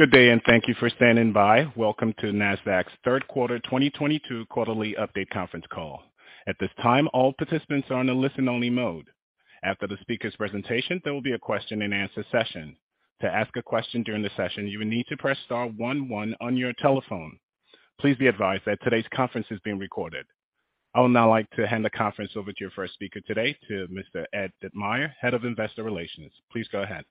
Good day, and thank you for standing by. Welcome to Nasdaq's Q3 2022 quarterly update conference call. At this time, all participants are on a listen-only mode. After the speakers' presentation, there will be a question-and-answer session. To ask a question during the session, you will need to press star one one on your telephone. Please be advised that today's conference is being recorded. I would now like to hand the conference over to your first speaker today, to Mr. Ed Ditmire, Head of Investor Relations. Please go ahead.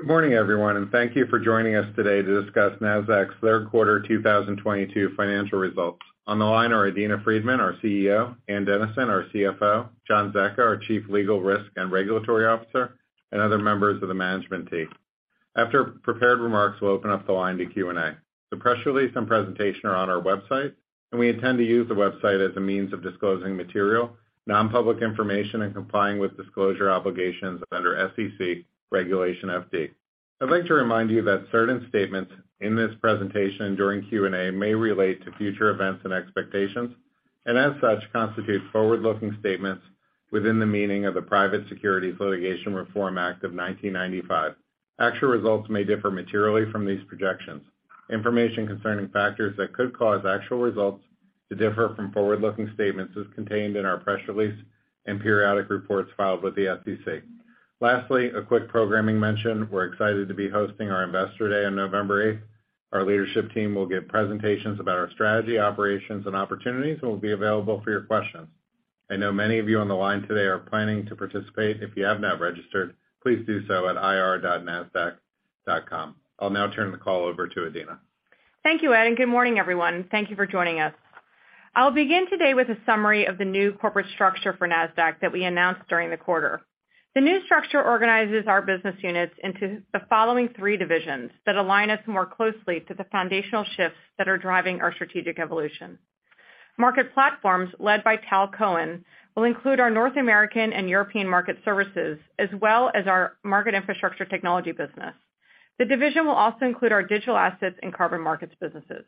Good morning, everyone, and thank you for joining us today to discuss Nasdaq's Q3 2022 financial results. On the line are Adena Friedman, our CEO, Ann Dennison, our CFO, John Zecca, our Chief Legal, Risk and Regulatory Officer, and other members of the management team. After prepared remarks, we'll open up the line to Q&A. The press release and presentation are on our website, and we intend to use the website as a means of disclosing material, non-public information, and complying with disclosure obligations under SEC Regulation FD. I'd like to remind you that certain statements in this presentation during Q&A may relate to future events and expectations, and as such, constitute forward-looking statements within the meaning of the Private Securities Litigation Reform Act of 1995. Actual results may differ materially from these projections. Information concerning factors that could cause actual results to differ from forward-looking statements is contained in our press release and periodic reports filed with the SEC. Lastly, a quick programming mention. We're excited to be hosting our Investor Day on November eighth. Our leadership team will give presentations about our strategy, operations, and opportunities and will be available for your questions. I know many of you on the line today are planning to participate. If you have not registered, please do so at ir.nasdaq.com. I'll now turn the call over to Adena. Thank you, Ed, and good morning, everyone. Thank you for joining us. I'll begin today with a summary of the new corporate structure for Nasdaq that we announced during the quarter. The new structure organizes our business units into the following three divisions that align us more closely to the foundational shifts that are driving our strategic evolution. Market Platforms, led by Tal Cohen, will include our North American and European market services, as well as our market infrastructure technology business. The division will also include our digital assets and carbon markets businesses.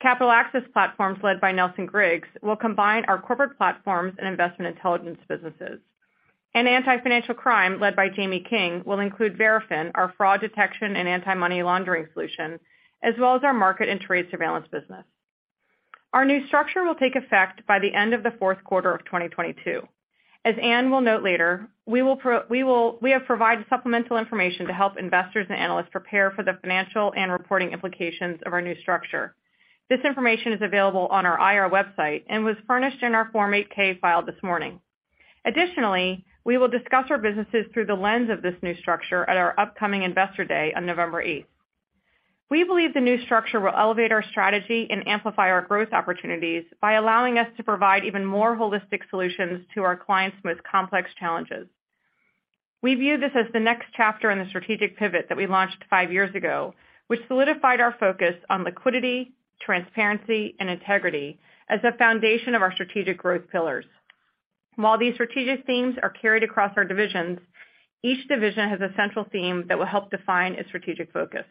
Capital Access Platforms, led by Nelson Griggs, will combine our corporate platforms and investment intelligence businesses. Anti-Financial Crime, led by Jamie King, will include Verafin, our fraud detection and anti-money laundering solution, as well as our market and trade surveillance business. Our new structure will take effect by the end of the Q4 of 2022. As Ann will note later, we have provided supplemental information to help investors and analysts prepare for the financial and reporting implications of our new structure. This information is available on our IR website and was furnished in our Form 8-K filed this morning. Additionally, we will discuss our businesses through the lens of this new structure at our upcoming Investor Day on November 8. We believe the new structure will elevate our strategy and amplify our growth opportunities by allowing us to provide even more holistic solutions to our clients' most complex challenges. We view this as the next chapter in the strategic pivot that we launched five years ago, which solidified our focus on liquidity, transparency, and integrity as the foundation of our strategic growth pillars. While these strategic themes are carried across our divisions, each division has a central theme that will help define its strategic focus.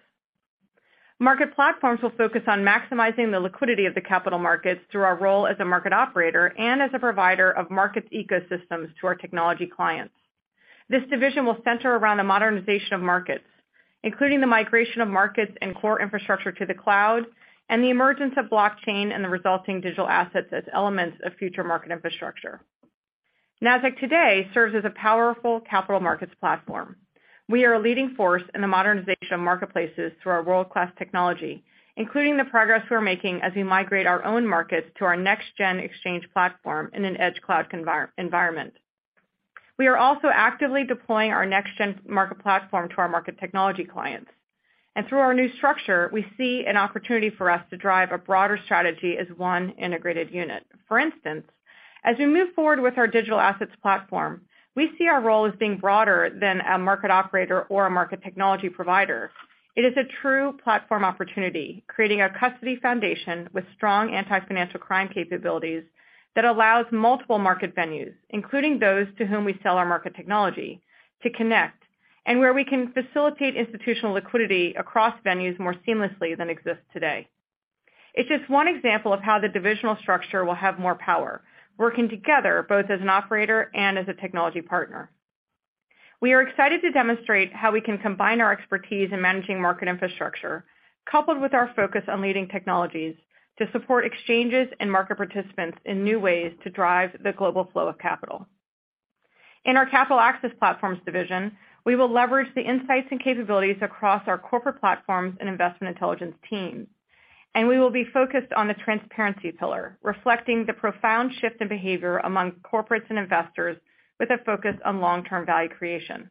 Market Platforms will focus on maximizing the liquidity of the capital markets through our role as a market operator and as a provider of markets ecosystems to our technology clients. This division will center around the modernization of markets, including the migration of markets and core infrastructure to the cloud and the emergence of blockchain and the resulting digital assets as elements of future market infrastructure. Nasdaq today serves as a powerful capital markets platform. We are a leading force in the modernization of marketplaces through our world-class technology, including the progress we're making as we migrate our own markets to our next gen exchange platform in an edge cloud environment. We are also actively deploying our next gen market platform to our market technology clients. Through our new structure, we see an opportunity for us to drive a broader strategy as one integrated unit. For instance, as we move forward with our digital assets platform, we see our role as being broader than a market operator or a market technology provider. It is a true platform opportunity, creating a custody foundation with strong anti-financial crime capabilities that allows multiple market venues, including those to whom we sell our market technology, to connect, and where we can facilitate institutional liquidity across venues more seamlessly than exists today. It's just one example of how the divisional structure will have more power, working together both as an operator and as a technology partner. We are excited to demonstrate how we can combine our expertise in managing market infrastructure, coupled with our focus on leading technologies, to support exchanges and market participants in new ways to drive the global flow of capital. In our Capital Access Platforms division, we will leverage the insights and capabilities across our corporate platforms and investment intelligence teams, and we will be focused on the transparency pillar, reflecting the profound shift in behavior among corporates and investors with a focus on long-term value creation.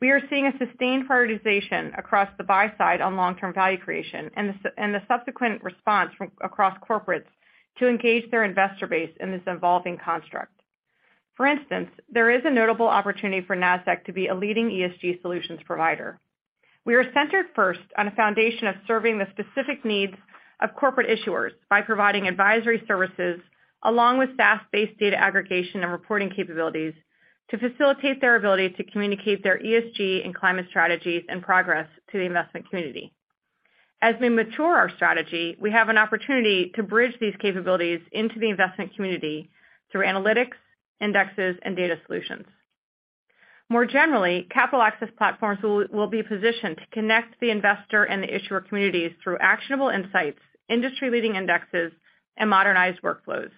We are seeing a sustained prioritization across the buy side on long-term value creation and the subsequent response from across corporates to engage their investor base in this evolving construct. For instance, there is a notable opportunity for Nasdaq to be a leading ESG solutions provider. We are centered first on a foundation of serving the specific needs of corporate issuers by providing advisory services along with SaaS-based data aggregation and reporting capabilities to facilitate their ability to communicate their ESG and climate strategies and progress to the investment community. As we mature our strategy, we have an opportunity to bridge these capabilities into the investment community through analytics, indexes, and data solutions. More generally, Capital Access Platforms will be positioned to connect the investor and the issuer communities through actionable insights, industry-leading indexes, and modernized workflows.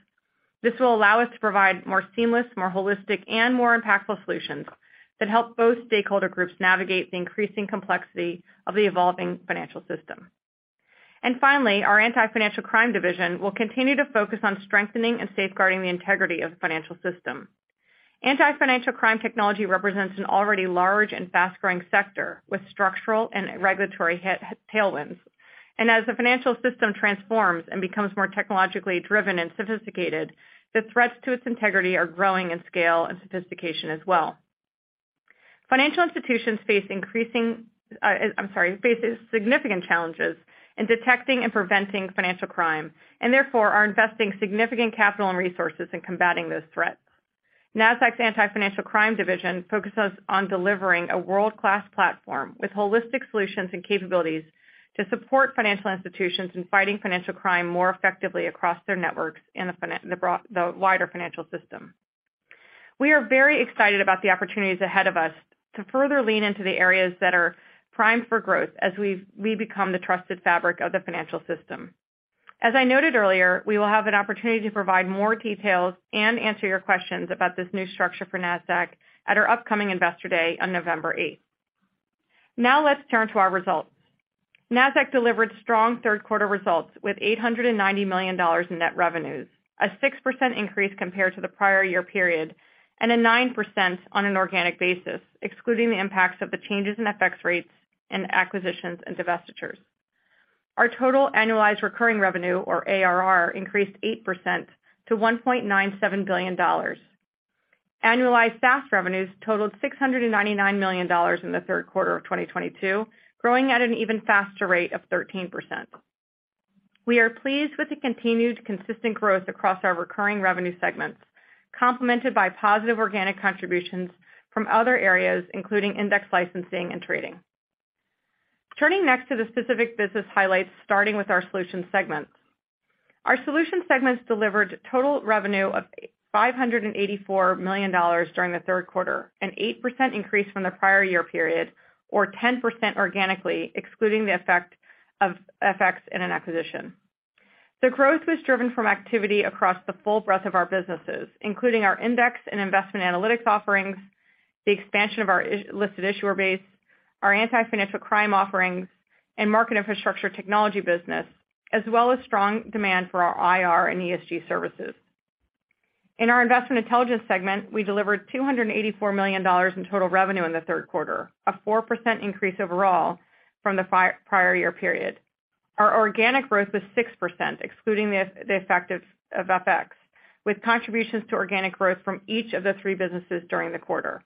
This will allow us to provide more seamless, more holistic, and more impactful solutions that help both stakeholder groups navigate the increasing complexity of the evolving financial system. Finally, our Anti-Financial Crime division will continue to focus on strengthening and safeguarding the integrity of the financial system. Anti-financial crime technology represents an already large and fast-growing sector with structural and regulatory tailwinds. As the financial system transforms and becomes more technologically driven and sophisticated, the threats to its integrity are growing in scale and sophistication as well. Financial institutions face significant challenges in detecting and preventing financial crime, and therefore are investing significant capital and resources in combating those threats. Nasdaq's Anti-Financial Crime division focuses on delivering a world-class platform with holistic solutions and capabilities to support financial institutions in fighting financial crime more effectively across their networks and the wider financial system. We are very excited about the opportunities ahead of us to further lean into the areas that are primed for growth as we become the trusted fabric of the financial system. As I noted earlier, we will have an opportunity to provide more details and answer your questions about this new structure for Nasdaq at our upcoming Investor Day on November 8. Now let's turn to our results. Nasdaq delivered strong Q3 results with $890 million in net revenues, a 6% increase compared to the prior year period, and a 9% on an organic basis, excluding the impacts of the changes in FX rates and acquisitions and divestitures. Our total annualized recurring revenue or ARR increased 8% to $1.97 billion. Annualized SaaS revenues totaled $699 million in the Q3 of 2022, growing at an even faster rate of 13%. We are pleased with the continued consistent growth across our recurring revenue segments, complemented by positive organic contributions from other areas, including index licensing and trading. Turning next to the specific business highlights, starting with our solutions segment. Our solutions segment delivered total revenue of $584 million during the Q3, an 8% increase from the prior year period, or 10% organically, excluding the effect of FX and an acquisition. The growth was driven by activity across the full breadth of our businesses, including our index and investment analytics offerings, the expansion of our listed issuer base, our Anti-Financial Crime offerings, and market infrastructure technology business, as well as strong demand for our IR and ESG services. In our investment intelligence segment, we delivered $284 million in total revenue in the Q3, a 4% increase overall from the prior year period. Our organic growth was 6%, excluding the effect of FX, with contributions to organic growth from each of the three businesses during the quarter.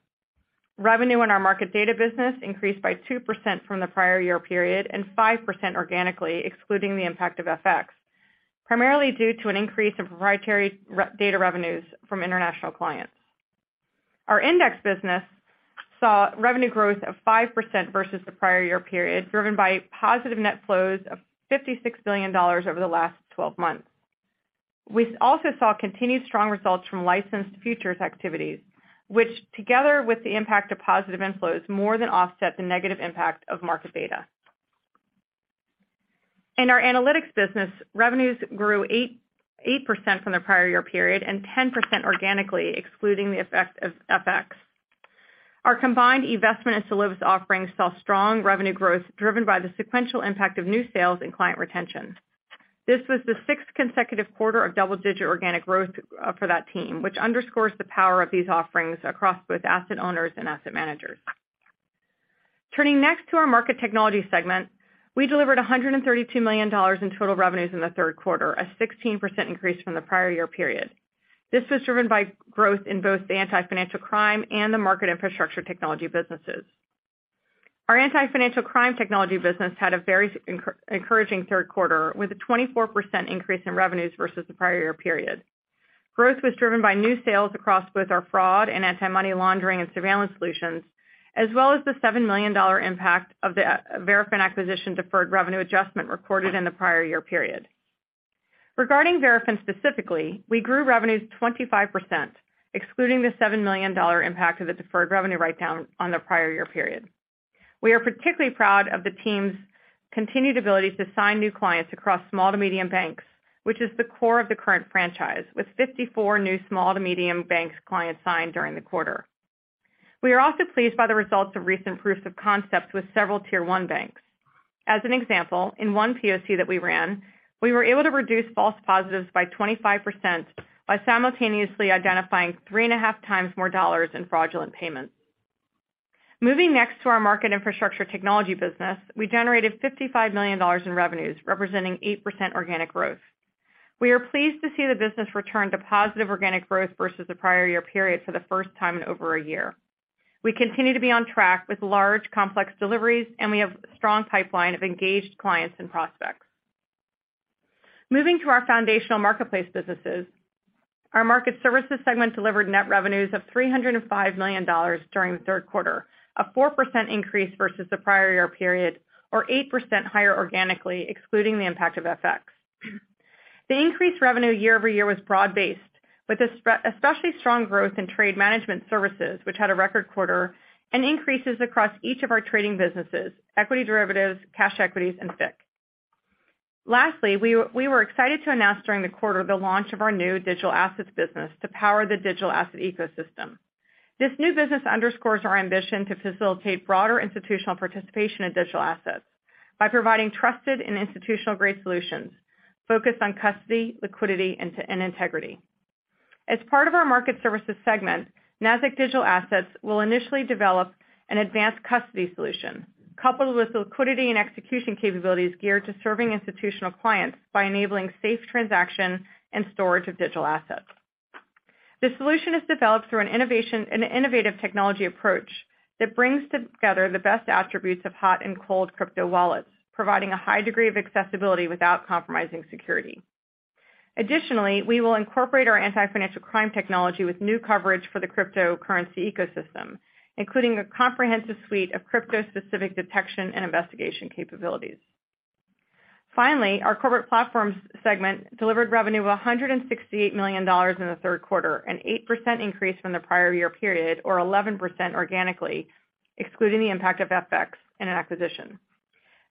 Revenue in our market data business increased by 2% from the prior year period and 5% organically, excluding the impact of FX, primarily due to an increase in proprietary data revenues from international clients. Our index business saw revenue growth of 5% versus the prior year period, driven by positive net flows of $56 billion over the last twelve months. We also saw continued strong results from licensed futures activities, which together with the impact of positive inflows, more than offset the negative impact of market data. In our analytics business, revenues grew 8% from the prior year period and 10% organically, excluding the effect of FX. Our combined investment and solutions offerings saw strong revenue growth driven by the sequential impact of new sales and client retention. This was the sixth consecutive quarter of double-digit organic growth for that team, which underscores the power of these offerings across both asset owners and asset managers. Turning next to our market technology segment, we delivered $132 million in total revenues in the Q3 a 16% increase from the prior year period. This was driven by growth in both the anti-financial crime and the market infrastructure technology businesses. Our anti-financial crime technology business had a very encouraging Q3, with a 24% increase in revenues versus the prior year period. Growth was driven by new sales across both our fraud and anti-money laundering and surveillance solutions, as well as the $7 million impact of the Verafin acquisition deferred revenue adjustment recorded in the prior year period. Regarding Verafin specifically, we grew revenues 25%, excluding the $7 million impact of the deferred revenue write-down on the prior year period. We are particularly proud of the team's continued ability to sign new clients across small to medium banks, which is the core of the current franchise, with 54 new small to medium banks clients signed during the quarter. We are also pleased by the results of recent proofs of concept with several tier one banks. As an example, in one POC that we ran, we were able to reduce false positives by 25% by simultaneously identifying 3.5 times more dollars in fraudulent payments. Moving next to our market infrastructure technology business. We generated $55 million in revenues, representing 8% organic growth. We are pleased to see the business return to positive organic growth versus the prior year period for the first time in over a year. We continue to be on track with large, complex deliveries, and we have a strong pipeline of engaged clients and prospects. Moving to our foundational marketplace businesses. Our market services segment delivered net revenues of $305 million during the Q3, a 4% increase versus the prior year period, or 8% higher organically, excluding the impact of FX. The increased revenue year-over-year was broad-based, with especially strong growth in trade management services, which had a record quarter and increases across each of our trading businesses, equity derivatives, cash equities, and FICC. Lastly, we were excited to announce during the quarter the launch of our new digital assets business to power the digital asset ecosystem. This new business underscores our ambition to facilitate broader institutional participation in digital assets by providing trusted and institutional-grade solutions focused on custody, liquidity, and integrity. As part of our Market Services segment, Nasdaq Digital Assets will initially develop an advanced custody solution coupled with liquidity and execution capabilities geared to serving institutional clients by enabling safe transaction and storage of digital assets. This solution is developed through an innovative technology approach that brings together the best attributes of hot and cold crypto wallets, providing a high degree of accessibility without compromising security. Additionally, we will incorporate our Anti-Financial Crime technology with new coverage for the cryptocurrency ecosystem, including a comprehensive suite of crypto-specific detection and investigation capabilities. Finally, our corporate platforms segment delivered revenue of $168 million in the Q3, an 8% increase from the prior year period or 11% organically, excluding the impact of FX in an acquisition.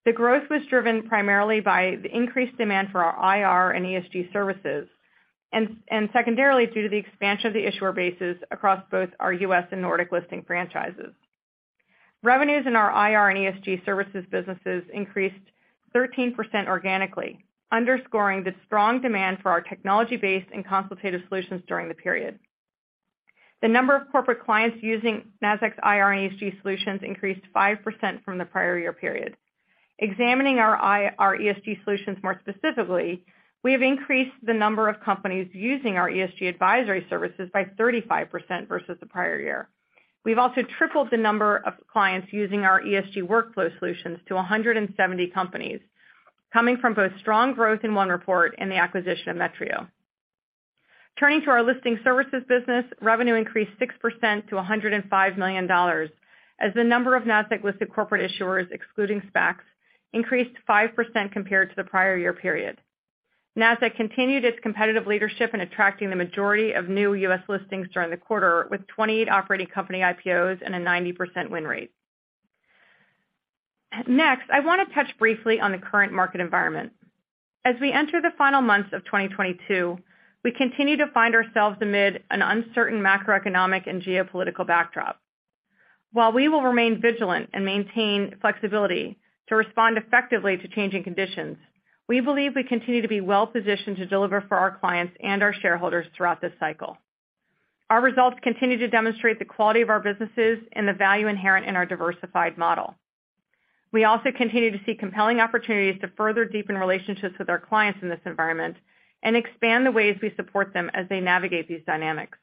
The growth was driven primarily by the increased demand for our IR and ESG services and secondarily due to the expansion of the issuer bases across both our U.S. and Nordic listing franchises. Revenues in our IR and ESG services businesses increased 13% organically, underscoring the strong demand for our technology-based and consultative solutions during the period. The number of corporate clients using Nasdaq's IR and ESG solutions increased 5% from the prior year period. Examining our IR and ESG solutions more specifically, we have increased the number of companies using our ESG advisory services by 35% versus the prior year. We've also tripled the number of clients using our ESG workflow solutions to 170 companies, coming from both strong growth in Nasdaq OneReport and the acquisition of Metrio. Turning to our listing services business, revenue increased 6% to $105 million, as the number of Nasdaq-listed corporate issuers, excluding SPACs, increased 5% compared to the prior year period. Nasdaq continued its competitive leadership in attracting the majority of new U.S. listings during the quarter, with 28 operating company IPOs and a 90% win rate. Next, I want to touch briefly on the current market environment. As we enter the final months of 2022, we continue to find ourselves amid an uncertain macroeconomic and geopolitical backdrop. While we will remain vigilant and maintain flexibility to respond effectively to changing conditions, we believe we continue to be well-positioned to deliver for our clients and our shareholders throughout this cycle. Our results continue to demonstrate the quality of our businesses and the value inherent in our diversified model. We also continue to see compelling opportunities to further deepen relationships with our clients in this environment and expand the ways we support them as they navigate these dynamics.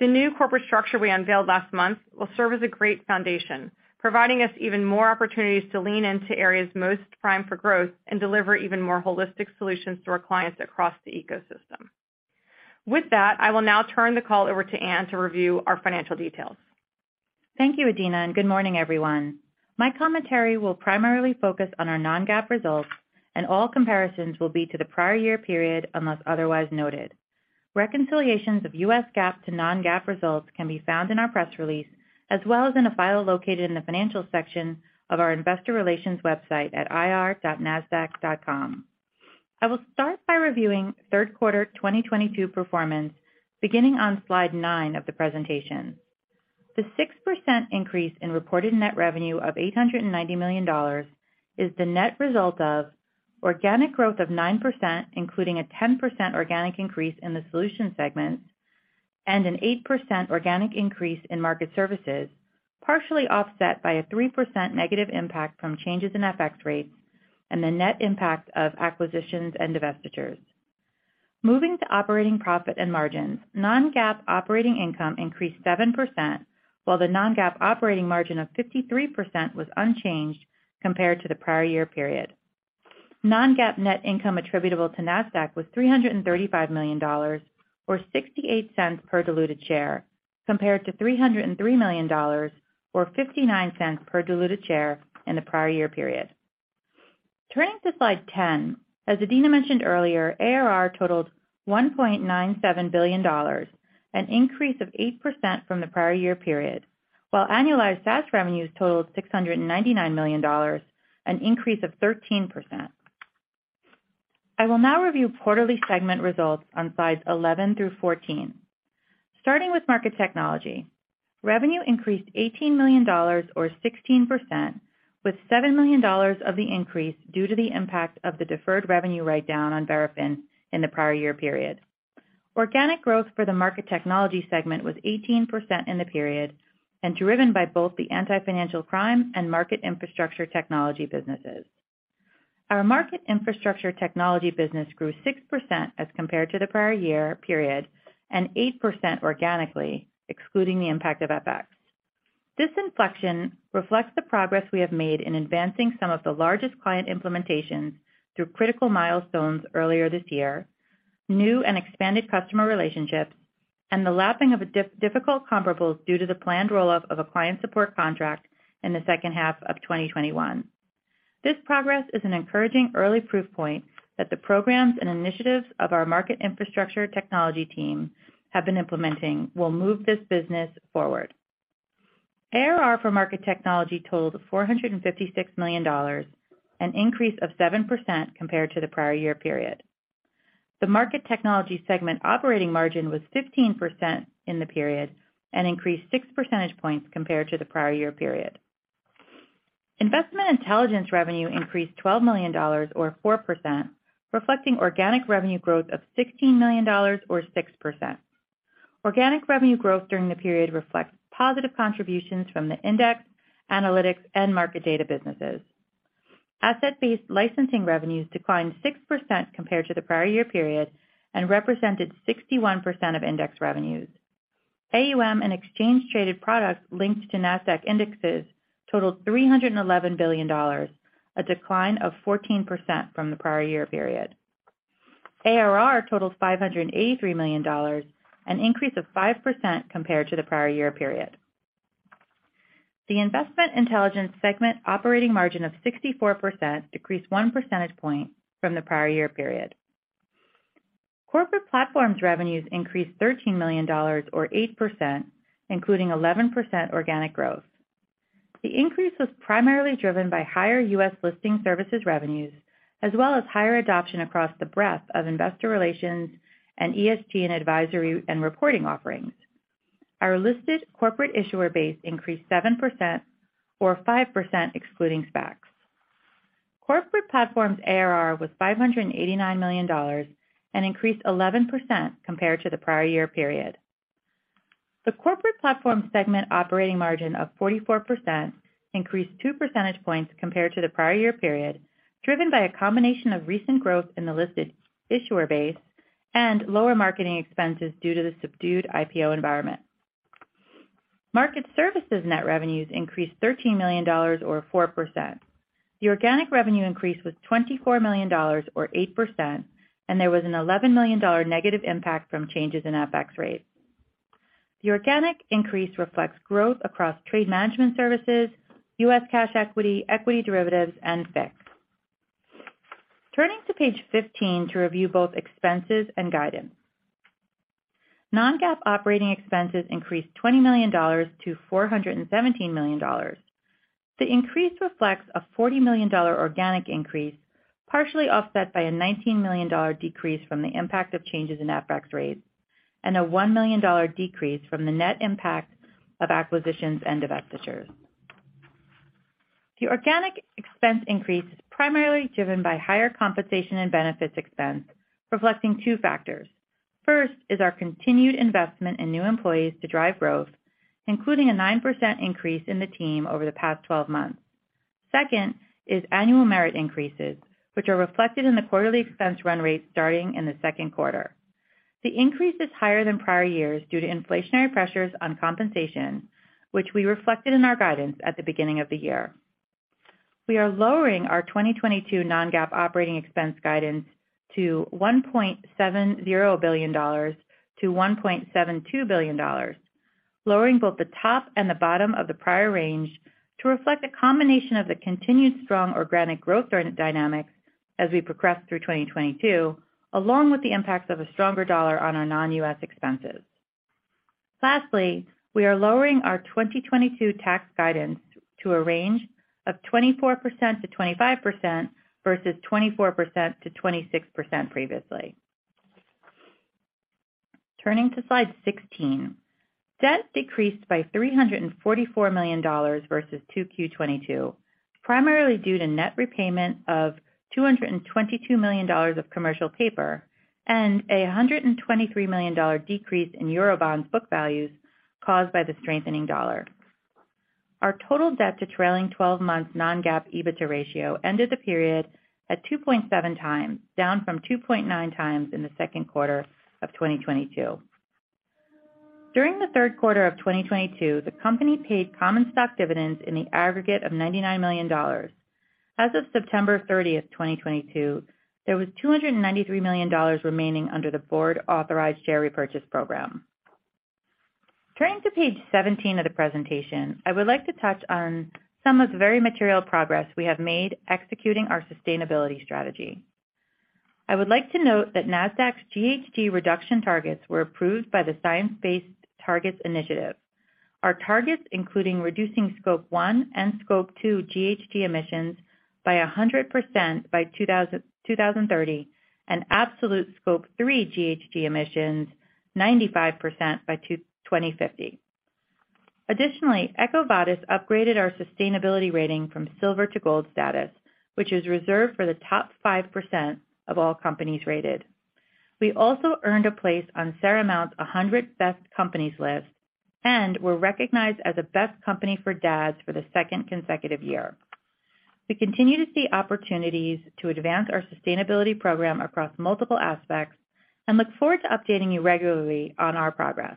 The new corporate structure we unveiled last month will serve as a great foundation, providing us even more opportunities to lean into areas most primed for growth and deliver even more holistic solutions to our clients across the ecosystem. With that, I will now turn the call over to Ann to review our financial details. Thank you, Adena, and good morning, everyone. My commentary will primarily focus on our non-GAAP results, and all comparisons will be to the prior year period, unless otherwise noted. Reconciliations of U.S. GAAP to non-GAAP results can be found in our press release, as well as in a file located in the Financial section of our investor relations website at ir.nasdaq.com. I will start by reviewing Q3 2022 performance, beginning on slide 9 of the presentation. The 6% increase in reported net revenue of $890 million is the net result of organic growth of 9%, including a 10% organic increase in the solutions segment and an 8% organic increase in market services, partially offset by a 3% negative impact from changes in FX rates and the net impact of acquisitions and divestitures. Moving to operating profit and margins. Non-GAAP operating income increased 7%, while the non-GAAP operating margin of 53% was unchanged compared to the prior year period. Non-GAAP net income attributable to Nasdaq was $335 million or $0.68 per diluted share, compared to $303 million or $0.59 per diluted share in the prior year period. Turning to slide 10. As Adena mentioned earlier, ARR totaled $1.97 billion, an increase of 8% from the prior year period, while annualized SaaS revenues totaled $699 million, an increase of 13%. I will now review quarterly segment results on slides 11 through 14. Starting with Market Technology. Revenue increased $18 million or 16%, with $7 million of the increase due to the impact of the deferred revenue write-down on Verafin in the prior year period. Organic growth for the Market Technology segment was 18% in the period and driven by both the Anti-Financial Crime and market infrastructure technology businesses. Our market infrastructure technology business grew 6% as compared to the prior year period and 8% organically, excluding the impact of FX. This inflection reflects the progress we have made in advancing some of the largest client implementations through critical milestones earlier this year, new and expanded customer relationships, and the lapping of a difficult comparables due to the planned roll-up of a client support contract in the H2 of 2021. This progress is an encouraging early proof point that the programs and initiatives of our market infrastructure technology team have been implementing will move this business forward. ARR for Market Technology totaled $456 million, an increase of 7% compared to the prior year period. The Market Technology segment operating margin was 15% in the period and increased 6 percentage points compared to the prior year period. Investment Intelligence revenue increased $12 million or 4%, reflecting organic revenue growth of $16 million or 6%. Organic revenue growth during the period reflects positive contributions from the index, analytics, and market data businesses. Asset-based licensing revenues declined 6% compared to the prior year period and represented 61% of index revenues. AUM and exchange traded products linked to Nasdaq indexes totaled $311 billion, a decline of 14% from the prior year period. ARR totaled $583 million, an increase of 5% compared to the prior year period. The Investment Intelligence segment operating margin of 64% decreased 1 percentage point from the prior year period. Corporate Platforms revenues increased $13 million or 8%, including 11% organic growth. The increase was primarily driven by higher U.S. listing services revenues, as well as higher adoption across the breadth of investor relations and ESG and advisory and reporting offerings. Our listed corporate issuer base increased 7% or 5% excluding SPACs. Corporate Platforms ARR was $589 million and increased 11% compared to the prior year period. The Corporate Platforms segment operating margin of 44% increased two percentage points compared to the prior year period, driven by a combination of recent growth in the listed issuer base and lower marketing expenses due to the subdued IPO environment. Market Services net revenues increased $13 million or 4%. The organic revenue increase was $24 million or 8%, and there was an $11 million negative impact from changes in FX rates. The organic increase reflects growth across trade management services, U.S. cash equity derivatives, and fixed. Turning to page 15 to review both expenses and guidance. Non-GAAP operating expenses increased $20 million to $417 million. The increase reflects a $40 million organic increase, partially offset by a $19 million decrease from the impact of changes in FX rates and a $1 million decrease from the net impact of acquisitions and divestitures. The organic expense increase is primarily driven by higher compensation and benefits expense, reflecting two factors. First is our continued investment in new employees to drive growth, including a 9% increase in the team over the past 12 months. Second is annual merit increases, which are reflected in the quarterly expense run rate starting in the Q2. The increase is higher than prior years due to inflationary pressures on compensation, which we reflected in our guidance at the beginning of the year. We are lowering our 2022 non-GAAP operating expense guidance to $1.70 billion-$1.72 billion, lowering both the top and the bottom of the prior range to reflect a combination of the continued strong organic growth dynamics as we progress through 2022, along with the impacts of a stronger dollar on our non-US expenses. Lastly, we are lowering our 2022 tax guidance to a range of 24%-25% versus 24%-26% previously. Turning to slide 16. Debt decreased by $344 million versus 2Q 2022, primarily due to net repayment of $222 million of commercial paper and $123 million decrease in Eurobond book values caused by the strengthening dollar. Our total debt to trailing twelve months non-GAAP EBITDA ratio ended the period at 2.7 times, down from 2.9 times in the Q2 of 2022. During the Q3 of 2022, the company paid common stock dividends in the aggregate of $99 million. As of September 30, 2022, there was $293 million remaining under the board-authorized share repurchase program. Turning to page 17 of the presentation, I would like to touch on some of the very material progress we have made executing our sustainability strategy. I would like to note that Nasdaq's GHG reduction targets were approved by the Science Based Targets initiative. Our targets, including reducing Scope 1 and Scope 2 GHG emissions by 100% by 2030 and absolute Scope 3 GHG emissions 95% by 2050. Additionally, EcoVadis upgraded our sustainability rating from silver to gold status, which is reserved for the top 5% of all companies rated. We also earned a place on Seramount's 100 Best Companies list and were recognized as a Best Company for Dads for the second consecutive year. We continue to see opportunities to advance our sustainability program across multiple aspects and look forward to updating you regularly on our progress.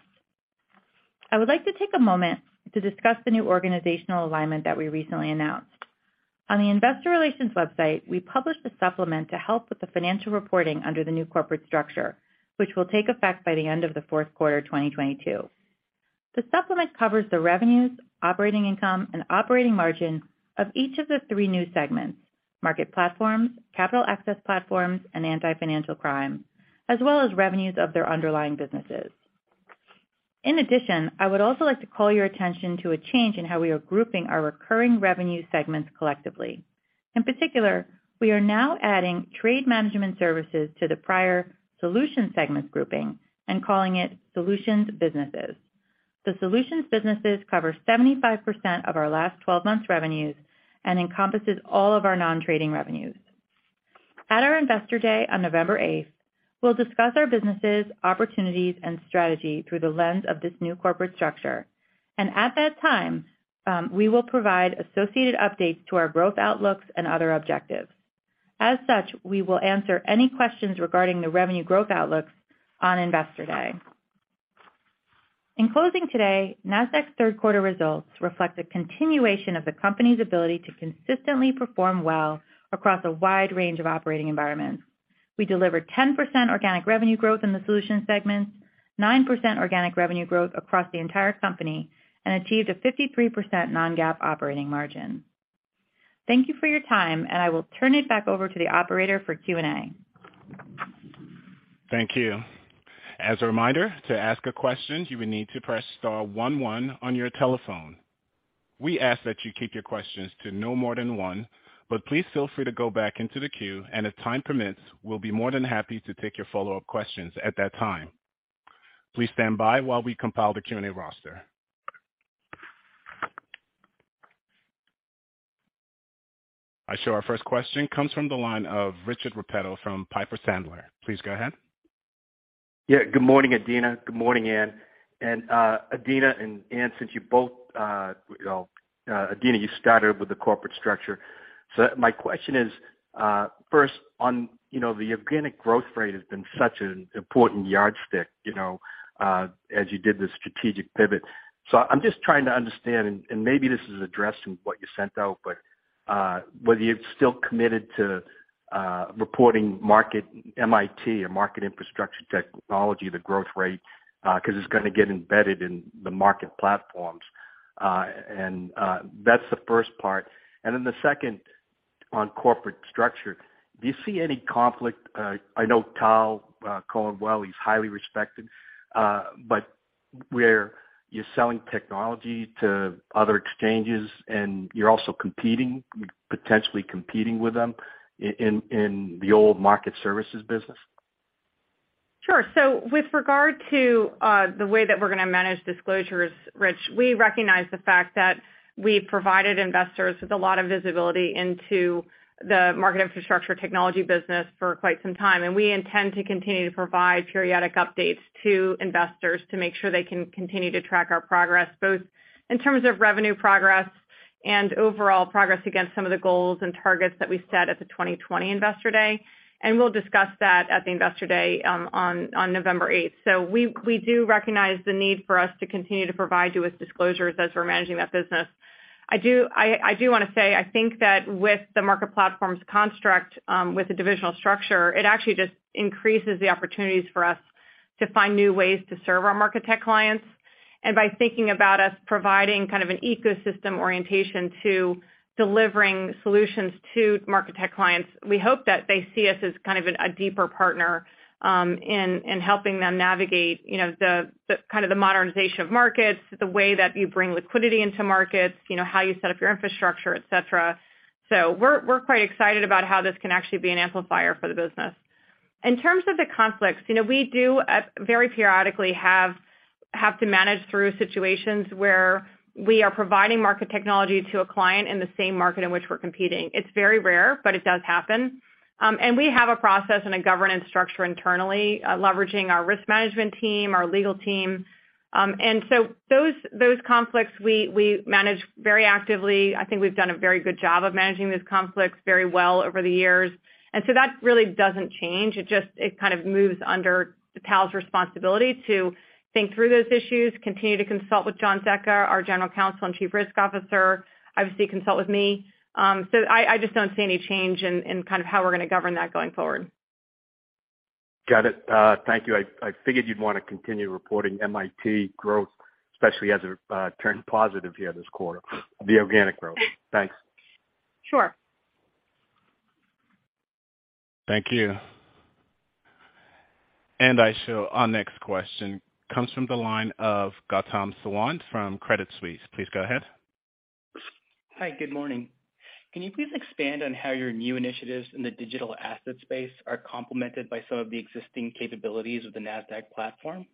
I would like to take a moment to discuss the new organizational alignment that we recently announced. On the investor relations website, we published a supplement to help with the financial reporting under the new corporate structure, which will take effect by the end of the fourth quarter, 2022. The supplement covers the revenues, operating income and operating margin of each of the three new segments, Market Platforms, Capital Access Platforms, and Anti-Financial Crime, as well as revenues of their underlying businesses. In addition, I would also like to call your attention to a change in how we are grouping our recurring revenue segments collectively. In particular, we are now adding trade management services to the prior solution segments grouping and calling it solutions businesses. The solutions businesses cover 75% of our last 12 months revenues and encompasses all of our non-trading revenues. At our Investor Day on November 8, we'll discuss our businesses, opportunities, and strategy through the lens of this new corporate structure. At that time, we will provide associated updates to our growth outlooks and other objectives. As such, we will answer any questions regarding the revenue growth outlooks on Investor Day. In closing today, Nasdaq's Q3 results reflect a continuation of the company's ability to consistently perform well across a wide range of operating environments. We delivered 10% organic revenue growth in the solutions segment, 9% organic revenue growth across the entire company, and achieved a 53% non-GAAP operating margin. Thank you for your time, and I will turn it back over to the operator for Q&A. Thank you. As a reminder to ask a question, you will need to press star one one on your telephone. We ask that you keep your questions to no more than one, but please feel free to go back into the queue, and if time permits, we'll be more than happy to take your follow-up questions at that time. Please stand by while we compile the Q&A roster. Our first question comes from the line of Richard Repetto from Piper Sandler. Please go ahead. Yeah. Good morning, Adena. Good morning, Ann. Adena and Ann, since you both Adena, you started with the corporate structure. My question is, first on the organic growth rate has been such an important yardstick as you did the strategic pivot. I'm just trying to understand, and maybe this is addressed in what you sent out, but whether you're still committed to reporting market MIT or market infrastructure technology, the growth rate, 'cause it's gonna get embedded in the Market Platforms. That's the first part. Then the second on corporate structure, do you see any conflict? I know Tal Cohen well, he's highly respected, but where you're selling technology to other exchanges and you're also competing, potentially competing with them in the old Market Services business. Sure. With regard to the way that we're gonna manage disclosures, Rich, we recognize the fact that we've provided investors with a lot of visibility into the market infrastructure technology business for quite some time, and we intend to continue to provide periodic updates to investors to make sure they can continue to track our progress, both in terms of revenue progress and overall progress against some of the goals and targets that we set at the 2020 Investor Day. We'll discuss that at the Investor Day on November eighth. We do recognize the need for us to continue to provide you with disclosures as we're managing that business. I do wanna say, I think that with the Market Platforms' construct, with the divisional structure, it actually just increases the opportunities for us to find new ways to serve our Market Technology clients. By thinking about us providing kind of an ecosystem orientation to delivering solutions to Market Technology clients, we hope that they see us as kind of a deeper partner, in helping them navigate the kind of modernization of markets, the way that you bring liquidity into markets how you set up your infrastructure, et cetera. We're quite excited about how this can actually be an amplifier for the business. In terms of the conflicts we do very periodically have to manage through situations where we are providing market technology to a client in the same market in which we're competing. It's very rare, but it does happen. We have a process and a governance structure internally, leveraging our risk management team, our legal team. Those conflicts we manage very actively. I think we've done a very good job of managing those conflicts very well over the years. That really doesn't change. It just, it kind of moves under Tal's responsibility to think through those issues, continue to consult with John Zecca, our general counsel and chief risk officer, obviously consult with me. I just don't see any change in kind of how we're gonna govern that going forward. Got it. Thank you. I figured you'd want to continue reporting MIT growth, especially as it turned positive here this quarter, the organic growth. Thanks. Sure. Thank you. I show our next question comes from the line of Gautam Sawant from Credit Suisse. Please go ahead. Hi. Good morning. Can you please expand on how your new initiatives in the digital asset space are complemented by some of the existing capabilities of the Nasdaq platform?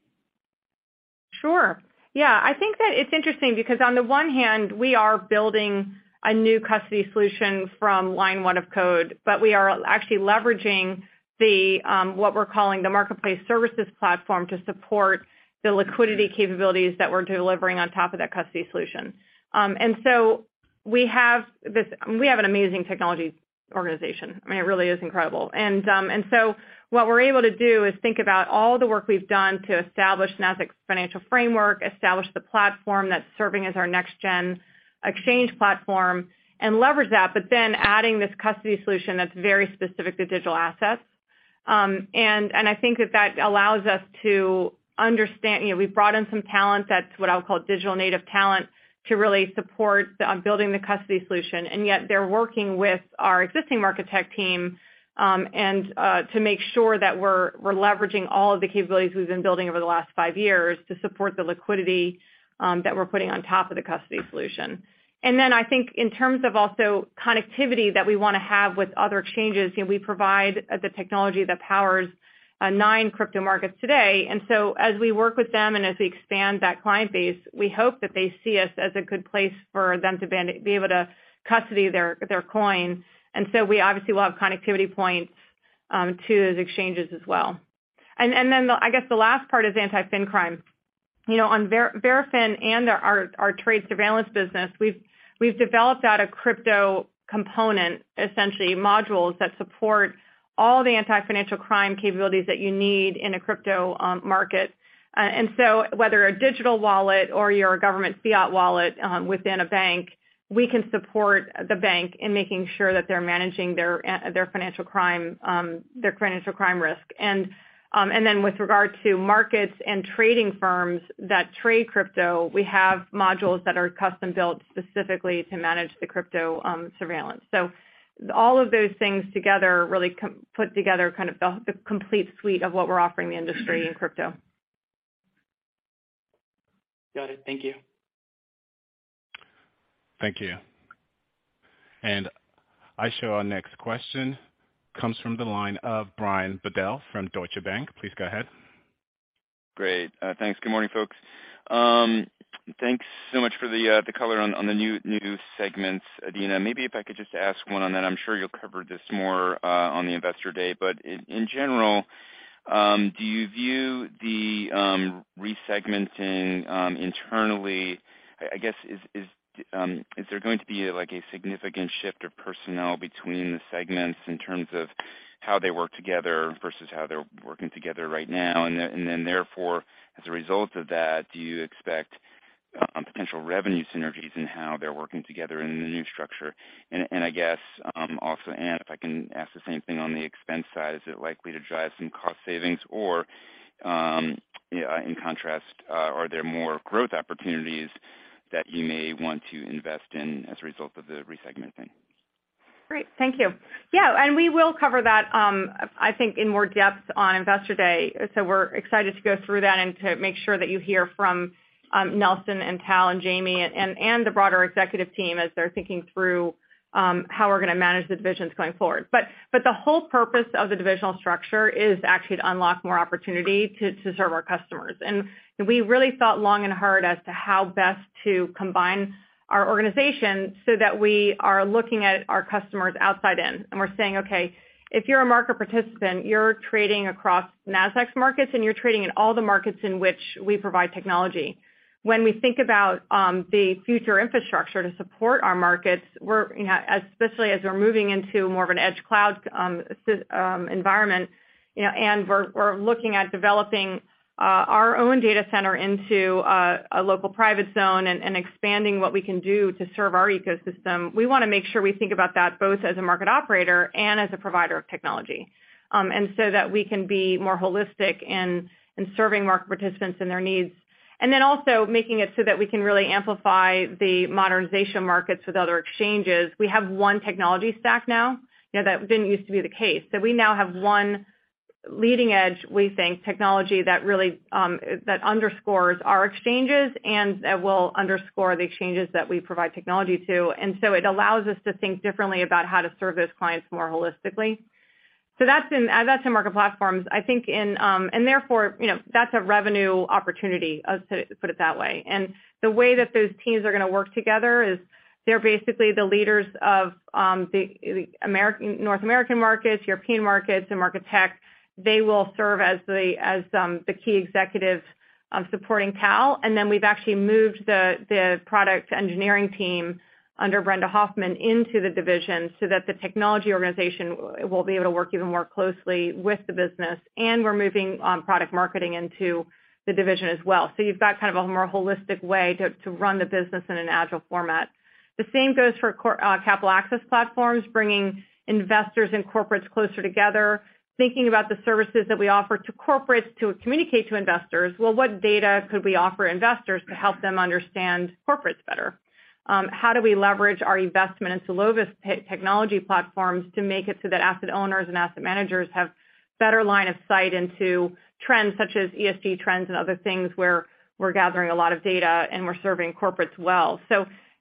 Sure. Yeah. I think that it's interesting because on the one hand, we are building a new custody solution from line one of code, but we are actually leveraging the what we're calling the marketplace services platform to support the liquidity capabilities that we're delivering on top of that custody solution. We have an amazing technology organization. I mean, it really is incredible. What we're able to do is think about all the work we've done to establish Nasdaq's financial framework, the platform that's serving as our next gen exchange platform and leverage that, but then adding this custody solution that's very specific to digital assets. I think that allows us to understand. You know, we've brought in some talent that's what I would call digital native talent to really support on building the custody solution. Yet they're working with our existing market tech team, and to make sure that we're leveraging all of the capabilities we've been building over the last 5 years to support the liquidity that we're putting on top of the custody solution. Then I think in terms of also connectivity that we wanna have with other exchanges we provide the technology that powers 9 crypto markets today. As we work with them, and as we expand that client base, we hope that they see us as a good place for them to be able to custody their coin. We obviously will have connectivity points to those exchanges as well. I guess the last part is anti-financial crime. You know, on Verafin and our trade surveillance business, we've developed out a crypto component, essentially modules that support all the anti-financial crime capabilities that you need in a crypto market. Whether a digital wallet or you're a government fiat wallet within a bank, we can support the bank in making sure that they're managing their financial crime risk. With regard to markets and trading firms that trade crypto, we have modules that are custom-built specifically to manage the crypto surveillance. All of those things together really put together kind of the complete suite of what we're offering the industry in crypto. Got it. Thank you. Thank you. I show our next question comes from the line ofc. Please go ahead. Great. Thanks. Good morning, folks. Thanks so much for the color on the new segments, Adena. Maybe if I could just ask one on that. I'm sure you'll cover this more on the Investor Day. In general, do you view the re-segmenting internally? I guess, is there going to be, like, a significant shift of personnel between the segments in terms of how they work together versus how they're working together right now? Then therefore, as a result of that, do you expect potential revenue synergies in how they're working together in the new structure? I guess, also, and if I can ask the same thing on the expense side, is it likely to drive some cost savings or, in contrast, are there more growth opportunities that you may want to invest in as a result of the re-segmenting? Great. Thank you. Yeah, we will cover that, I think in more depth on Investor Day. We're excited to go through that and to make sure that you hear from Nelson and Tal and Jamie and the broader executive team as they're thinking through how we're gonna manage the divisions going forward. The whole purpose of the divisional structure is actually to unlock more opportunity to serve our customers. We really thought long and hard as to how best to combine our organization so that we are looking at our customers outside in, and we're saying, "Okay, if you're a market participant, you're trading across Nasdaq's markets, and you're trading in all the markets in which we provide technology." When we think about the future infrastructure to support our markets, we're especially as we're moving into more of an edge cloud environment and we're looking at developing our own data center into a local private zone and expanding what we can do to serve our ecosystem, we wanna make sure we think about that both as a market operator and as a provider of technology. So that we can be more holistic in serving market participants and their needs. Making it so that we can really amplify the modernization markets with other exchanges. We have one technology stack now. You know, that didn't use to be the case. We now have one leading edge, we think, technology that really underscores our exchanges and will underscore the exchanges that we provide technology to. It allows us to think differently about how to serve those clients more holistically. That's in Market Platforms. You know, that's a revenue opportunity to put it that way. The way that those teams are gonna work together is they're basically the leaders of the American, North American markets, European markets, and Market Tech. They will serve as the key executives supporting Tal. We've actually moved the product engineering team under Brenda Hoffman into the division so that the technology organization will be able to work even more closely with the business, and we're moving product marketing into the division as well. You've got kind of a more holistic way to run the business in an agile format. The same goes for Capital Access Platforms, bringing investors and corporates closer together, thinking about the services that we offer to corporates to communicate to investors. Well, what data could we offer investors to help them understand corporates better? How do we leverage our investment into Verafin technology platforms to make it so that asset owners and asset managers have better line of sight into trends such as ESG trends and other things where we're gathering a lot of data and we're serving corporates well?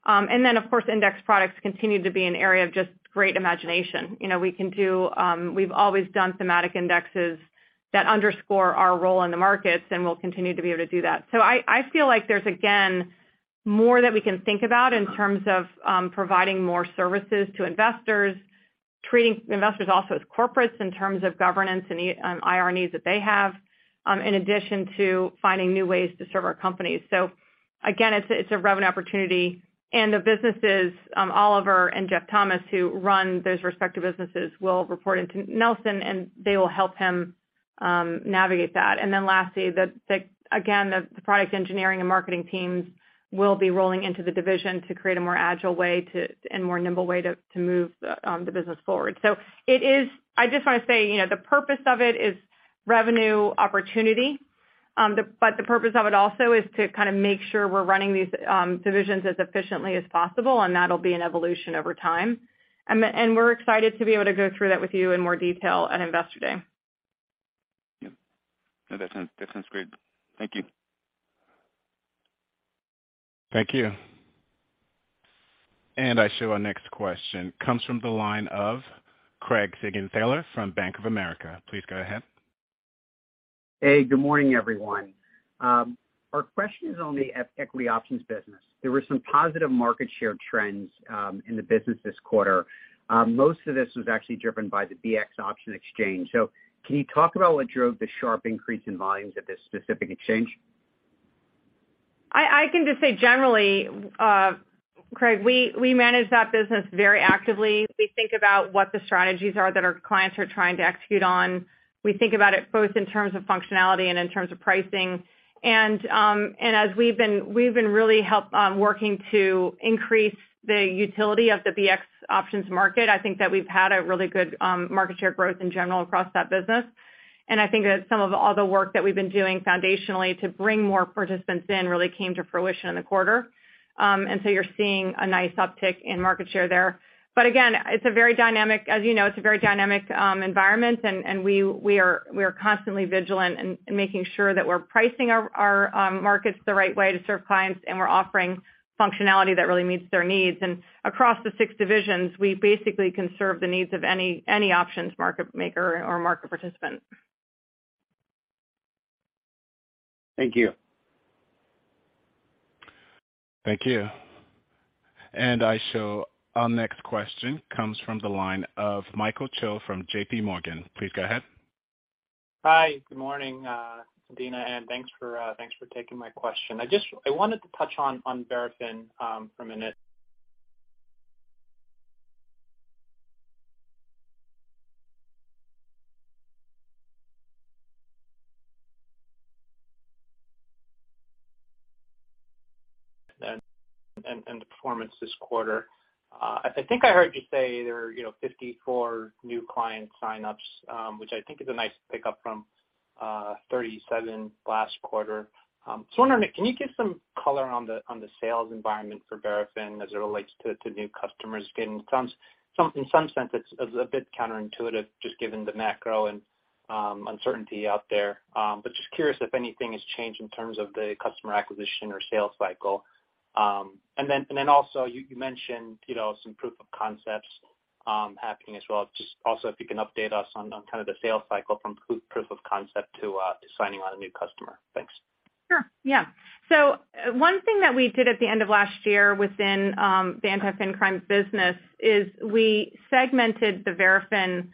Of course, index products continue to be an area of just great imagination. You know, we can do. We've always done thematic indexes that underscore our role in the markets, and we'll continue to be able to do that. I feel like there's, again, more that we can think about in terms of providing more services to investors, treating investors also as corporates in terms of governance and IR needs that they have, in addition to finding new ways to serve our companies. It's a revenue opportunity and the businesses, Oliver and Jeff Thomas, who run those respective businesses, will report into Nelson, and they will help him navigate that. The product engineering and marketing teams will be rolling into the division to create a more agile and more nimble way to move the business forward. It is. I just wanna say the purpose of it is revenue opportunity. But the purpose of it also is to kind of make sure we're running these divisions as efficiently as possible, and that'll be an evolution over time. We're excited to be able to go through that with you in more detail at Investor Day. Yeah. No, that sounds great. Thank you. Thank you. I show our next question comes from the line of Craig Siegenthaler from Bank of America. Please go ahead. Hey, good morning, everyone. Our question is on the equity options business. There were some positive market share trends, in the business this quarter. Most of this was actually driven by the BX option exchange. Can you talk about what drove the sharp increase in volumes at this specific exchange? I can just say generally, Craig, we manage that business very actively. We think about what the strategies are that our clients are trying to execute on. We think about it both in terms of functionality and in terms of pricing. As we've been working to increase the utility of the BX options market. I think that we've had a really good market share growth in general across that business. I think that some of all the work that we've been doing foundationally to bring more participants in really came to fruition in the quarter. You're seeing a nice uptick in market share there. Again, as you know, it's a very dynamic environment and we are constantly vigilant in making sure that we're pricing our markets the right way to serve clients, and we're offering functionality that really meets their needs. Across the six divisions, we basically can serve the needs of any options market maker or market participant. Thank you. Thank you. Our next question comes from the line of Michael Cho from JP Morgan. Please go ahead. Hi. Good morning, Adena, and thanks for taking my question. I wanted to touch on Verafin for a minute. The performance this quarter. I think I heard you say there are 54 new client sign-ups, which I think is a nice pick up from 37 last quarter. So I'm wondering, can you give some color on the sales environment for Verafin as it relates to new customers getting some. In some sense, it's a bit counterintuitive just given the macro and uncertainty out there. But just curious if anything has changed in terms of the customer acquisition or sales cycle. And then also you mentioned some proof of concepts happening as well. Just also if you can update us on kind of the sales cycle from proof of concept to signing on a new customer. Thanks. Sure. Yeah. One thing that we did at the end of last year within the Anti-Financial Crime business is we segmented the Verafin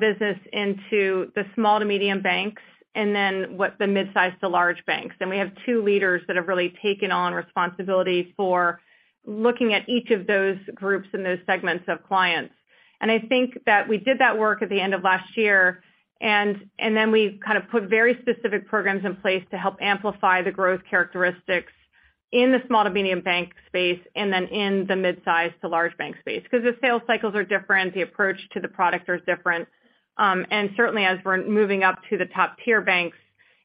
business into the small to medium banks and then the midsize to large banks. We have two leaders that have really taken on responsibility for looking at each of those groups and those segments of clients. I think that we did that work at the end of last year, and then we kind of put very specific programs in place to help amplify the growth characteristics in the small to medium bank space and then in the midsize to large bank space. 'Cause the sales cycles are different, the approach to the product are different. Certainly as we're moving up to the top-tier banks,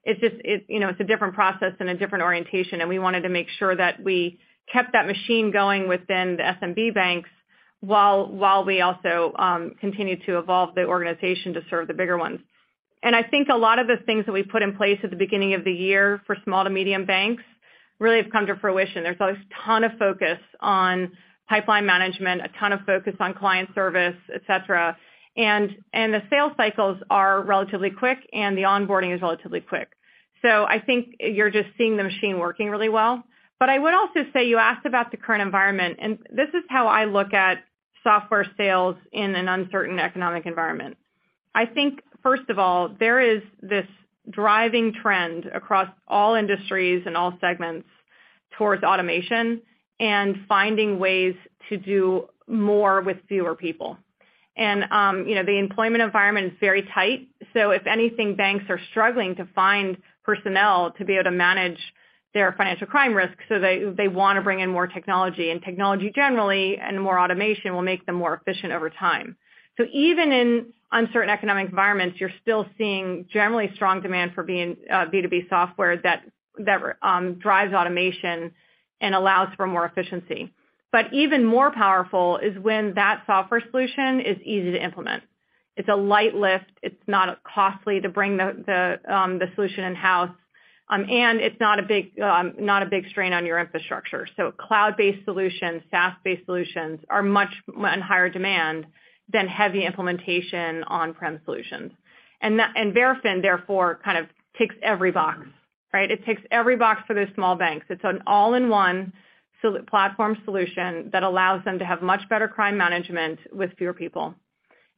it's just you know it's a different process and a different orientation, and we wanted to make sure that we kept that machine going within the SMB banks while we also continued to evolve the organization to serve the bigger ones. I think a lot of the things that we put in place at the beginning of the year for small to medium banks really have come to fruition. There's a ton of focus on pipeline management, a ton of focus on client service, et cetera. The sales cycles are relatively quick, and the onboarding is relatively quick. I think you're just seeing the machine working really well. I would also say you asked about the current environment, and this is how I look at software sales in an uncertain economic environment. I think, first of all, there is this driving trend across all industries and all segments towards automation and finding ways to do more with fewer people. You know, the employment environment is very tight, so if anything, banks are struggling to find personnel to be able to manage their financial crime risk, so they wanna bring in more technology. Technology generally and more automation will make them more efficient over time. Even in uncertain economic environments, you're still seeing generally strong demand for B2B software that drives automation and allows for more efficiency. But even more powerful is when that software solution is easy to implement. It's a light lift, it's not costly to bring the solution in-house, and it's not a big strain on your infrastructure. Cloud-based solutions, SaaS-based solutions are much higher in demand than heavy implementation on-prem solutions. Verafin therefore kind of ticks every box, right? It ticks every box for those small banks. It's an all-in-one platform solution that allows them to have much better crime management with fewer people.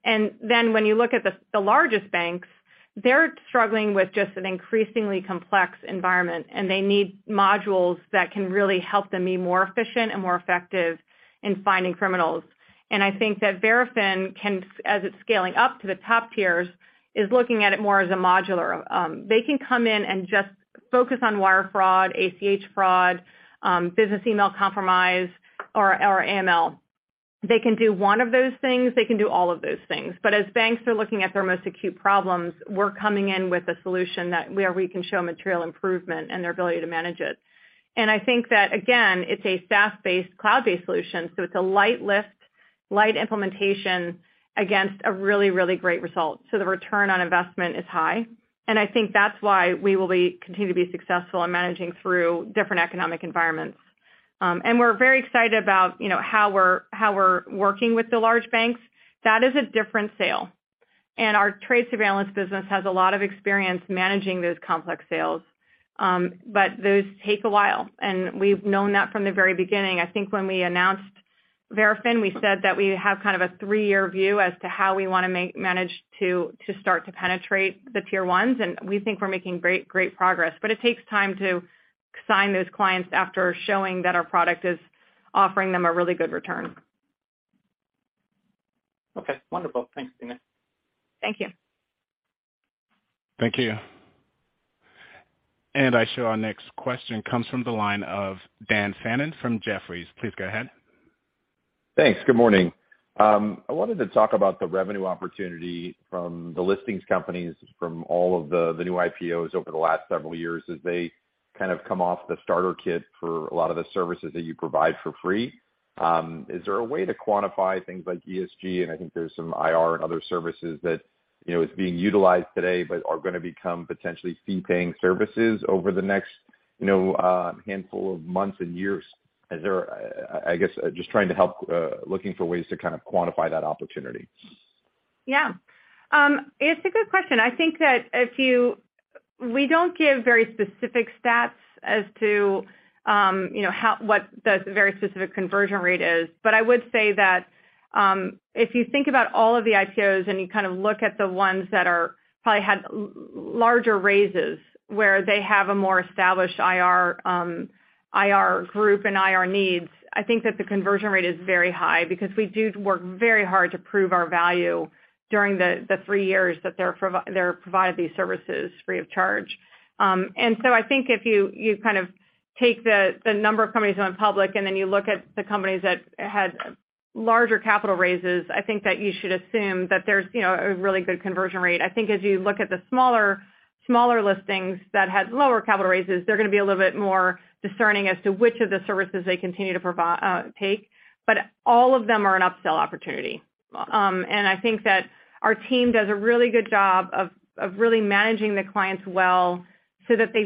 When you look at the largest banks, they're struggling with just an increasingly complex environment, and they need modules that can really help them be more efficient and more effective in finding criminals. I think that Verafin can, as it's scaling up to the top tiers, is looking at it more as a modular. They can come in and just focus on wire fraud, ACH fraud, business email compromise or AML. They can do one of those things, they can do all of those things. As banks are looking at their most acute problems, we're coming in with a solution that where we can show material improvement and their ability to manage it. I think that again, it's a SaaS-based, cloud-based solution, so it's a light lift, light implementation against a really, really great result. The return on investment is high, and I think that's why we will continue to be successful in managing through different economic environments. We're very excited about how we're working with the large banks. That is a different sale. Our trade surveillance business has a lot of experience managing those complex sales. Those take a while, and we've known that from the very beginning. I think when we announced Verafin, we said that we have kind of a three-year view as to how we wanna manage to start to penetrate the tier ones, and we think we're making great progress. It takes time to sign those clients after showing that our product is offering them a really good return. Okay, wonderful. Thanks, Nina. Thank you. Thank you. I show our next question comes from the line of Dan Fannon from Jefferies. Please go ahead. Thanks. Good morning. I wanted to talk about the revenue opportunity from the listings companies from all of the new IPOs over the last several years as they kind of come off the starter kit for a lot of the services that you provide for free. Is there a way to quantify things like ESG, and I think there's some IR and other services that is being utilized today, but are gonna become potentially fee-paying services over the next handful of months and years? Is there, I guess just trying to help, looking for ways to kind of quantify that opportunity. Yeah. It's a good question. I think that we don't give very specific stats as to what the very specific conversion rate is. I would say that, if you think about all of the IPOs and you kind of look at the ones that are probably had larger raises, where they have a more established IR group and IR needs, I think that the conversion rate is very high because we do work very hard to prove our value during the three years that they're provided these services free of charge. I think if you kind of take the number of companies going public and then you look at the companies that had larger capital raises, I think that you should assume that there's a really good conversion rate. I think as you look at the smaller listings that had lower capital raises, they're gonna be a little bit more discerning as to which of the services they continue to take. All of them are an upsell opportunity. I think that our team does a really good job of really managing the clients well so that they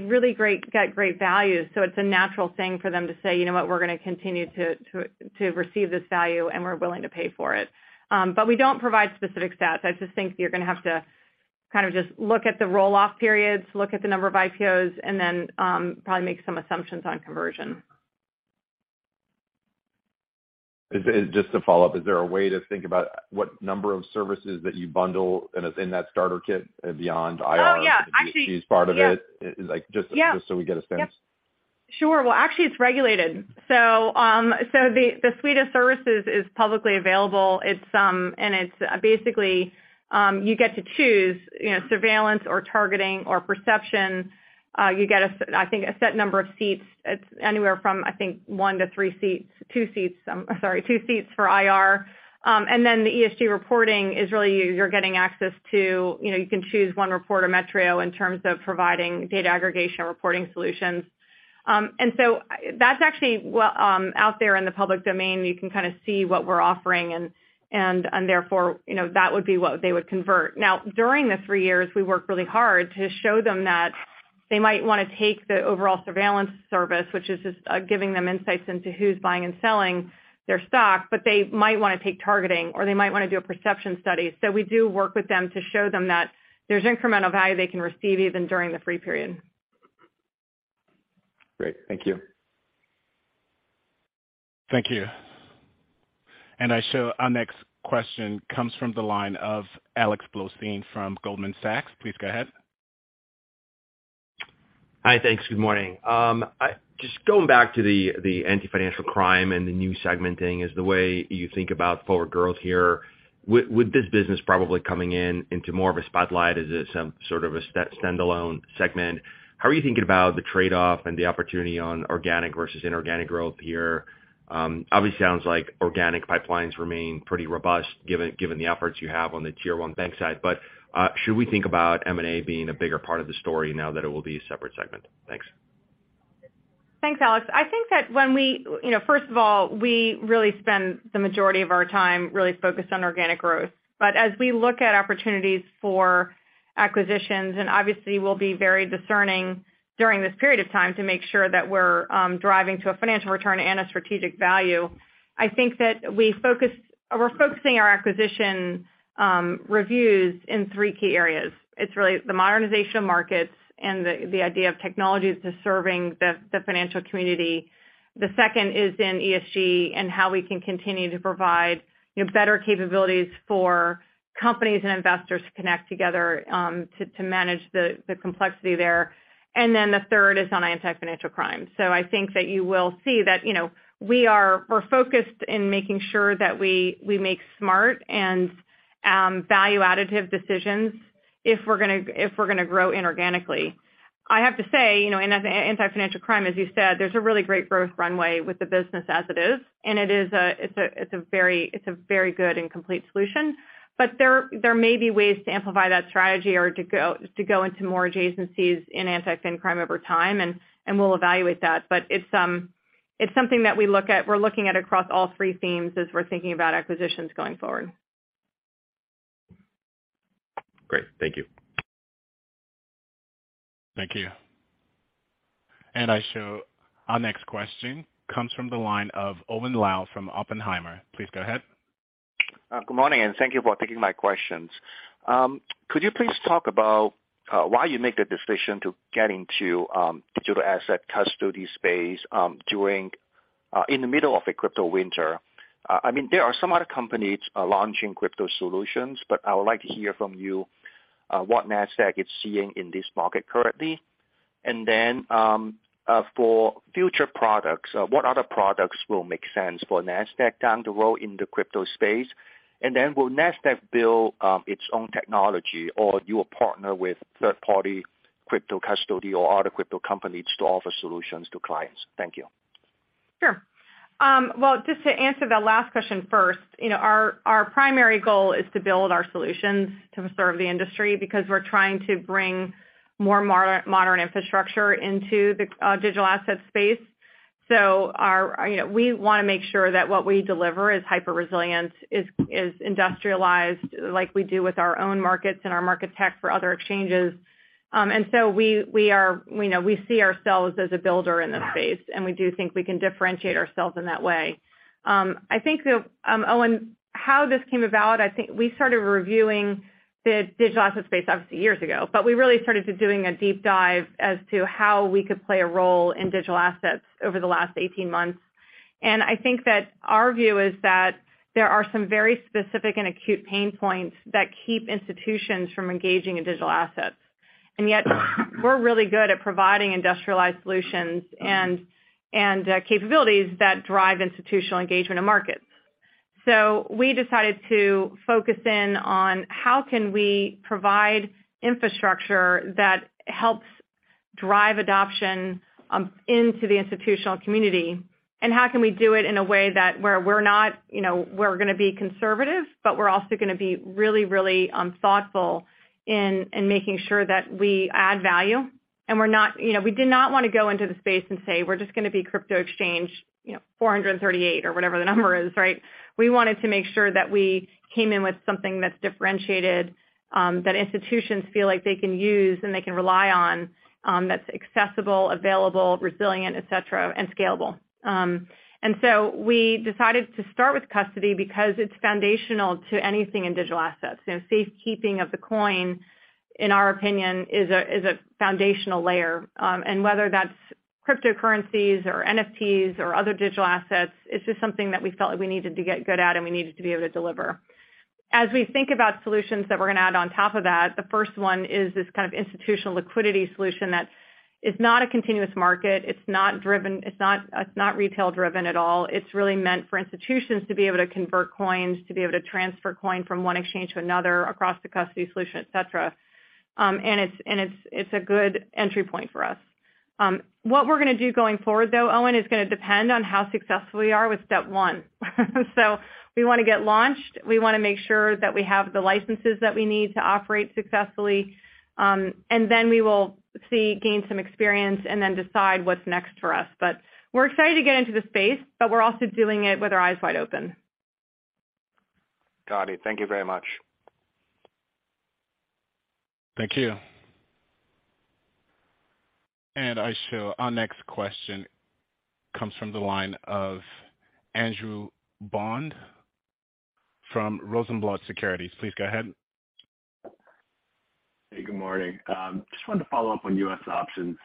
get great value. It's a natural thing for them to say, "You know what? We're gonna continue to receive this value, and we're willing to pay for it." We don't provide specific stats. I just think you're gonna have to kind of just look at the roll-off periods, look at the number of IPOs, and then probably make some assumptions on conversion. Just to follow up, is there a way to think about what number of services that you bundle and is in that starter kit beyond IR? Oh, yeah. as part of it? Yeah. Like, just Yeah. Just so we get a sense. Sure. Well, actually it's regulated. The suite of services is publicly available. It's basically you get to choose surveillance or targeting or perception. You get, I think, a set number of seats. It's anywhere from, I think, 1 to 3 seats, sorry, 2 seats for IR. The ESG reporting is really you're getting access to you can choose OneReport, Metrio in terms of providing data aggregation and reporting solutions. That's actually well out there in the public domain, you can kinda see what we're offering and therefore that would be what they would convert. Now, during the three years, we worked really hard to show them that they might wanna take the overall surveillance service, which is just, giving them insights into who's buying and selling their stock, but they might wanna take targeting or they might wanna do a perception study. We do work with them to show them that there's incremental value they can receive even during the free period. Great. Thank you. Thank you. Our next question comes from the line of Alexander Blostein from Goldman Sachs. Please go ahead. Hi. Thanks. Good morning. Just going back to the Anti-Financial Crime and the new segmenting, is the way you think about forward growth here. With this business probably coming into more of a spotlight, is this some sort of a standalone segment? How are you thinking about the trade-off and the opportunity on organic versus inorganic growth here? Obviously sounds like organic pipelines remain pretty robust given the efforts you have on the tier one bank side. Should we think about M&A being a bigger part of the story now that it will be a separate segment? Thanks. Thanks, Alex. I think that. You know, first of all, we really spend the majority of our time really focused on organic growth. As we look at opportunities for acquisitions, and obviously we'll be very discerning during this period of time to make sure that we're driving to a financial return and a strategic value. We're focusing our acquisition reviews in three key areas. It's really the modernization of markets and the idea of technologies to serving the financial community. The second is in ESG and how we can continue to provide better capabilities for companies and investors to connect together to manage the complexity there. The third is on Anti-Financial Crime. I think that you will see that we're focused in making sure that we make smart and value additive decisions if we're gonna grow inorganically. I have to say in Anti-Financial Crime, as you said, there's a really great growth runway with the business as it is, and it's a very good and complete solution. There may be ways to amplify that strategy or to go into more adjacencies in Anti-Financial Crime over time, and we'll evaluate that. It's something that we're looking at across all three themes as we're thinking about acquisitions going forward. Great. Thank you. Thank you. I show our next question comes from the line of Owen Lau from Oppenheimer. Please go ahead. Good morning, and thank you for taking my questions. Could you please talk about why you made the decision to get into digital asset custody space during in the middle of a crypto winter? I mean, there are some other companies launching crypto solutions, but I would like to hear from you what Nasdaq is seeing in this market currently. For future products, what other products will make sense for Nasdaq down the road in the crypto space? Will Nasdaq build its own technology, or you will partner with third-party crypto custody or other crypto companies to offer solutions to clients? Thank you. Sure. Well, just to answer the last question first our primary goal is to build our solutions to serve the industry because we're trying to bring more modern infrastructure into the digital asset space. You know, we wanna make sure that what we deliver is hyper-resilient, industrialized like we do with our own markets and our market tech for other exchanges. You know, we see ourselves as a builder in the space, and we do think we can differentiate ourselves in that way. I think, Owen, how this came about, I think we started reviewing the digital asset space obviously years ago, but we really started doing a deep dive as to how we could play a role in digital assets over the last 18 months. I think that our view is that there are some very specific and acute pain points that keep institutions from engaging in digital assets. Yet, we're really good at providing industrialized solutions and capabilities that drive institutional engagement in markets. We decided to focus in on how can we provide infrastructure that helps drive adoption into the institutional community, and how can we do it in a way that where we're not we're gonna be conservative, but we're also gonna be really thoughtful in making sure that we add value. We're not we did not wanna go into the space and say, we're just gonna be crypto exchange 438 or whatever the number is, right? We wanted to make sure that we came in with something that's differentiated, that institutions feel like they can use and they can rely on, that's accessible, available, resilient, et cetera, and scalable. We decided to start with custody because it's foundational to anything in digital assets. You know, safekeeping of the coin, in our opinion, is a foundational layer. Whether that's cryptocurrencies or NFTs or other digital assets, it's just something that we felt we needed to get good at and we needed to be able to deliver. As we think about solutions that we're gonna add on top of that, the first one is this kind of institutional liquidity solution that is not a continuous market. It's not driven. It's not retail-driven at all. It's really meant for institutions to be able to convert coins, to be able to transfer coin from one exchange to another across the custody solution, et cetera. It's a good entry point for us. What we're gonna do going forward, though, Owen, is gonna depend on how successful we are with step one. We wanna get launched. We wanna make sure that we have the licenses that we need to operate successfully. Then we will see, gain some experience and then decide what's next for us. We're excited to get into the space, but we're also doing it with our eyes wide open. Got it. Thank you very much. Thank you. I show our next question comes from the line of Andrew Bond from Rosenblatt Securities. Please go ahead. Hey, good morning. Just wanted to follow up on U.S. options.